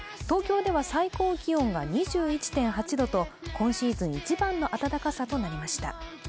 東京では最高気温が２１．８度と今シーズン一番の暖かさとなりました。